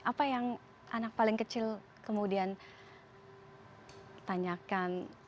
apa yang anak paling kecil kemudian tanyakan